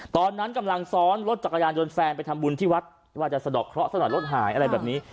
ตอนนั้นกำลังซ้อนรถจักรยานยนต์แฟนไปทำบุญที่วัดว่าจะสะดอกเคราะห์รถหายอะไรแบบนี้